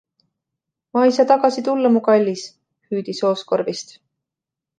"Ma ei saa tagasi tulla, mu kallis," hüüdis Oz korvist.